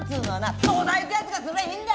東大行くやつがすりゃいいんだよ！